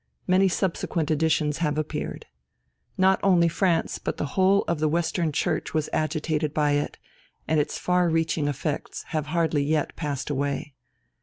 Many subsequent editions have appeared. Not only France, but the whole of the Western Church was agitated by it, and its far reaching effects have hardly yet passed away.